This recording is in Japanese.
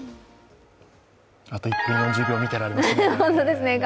あと１分４０秒見ていられますね。